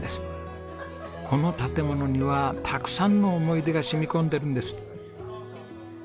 この建物にはたくさんの思い出が染み込んでるんです。